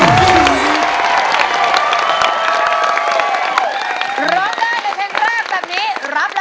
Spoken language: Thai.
อาหารที่อร่อยสุด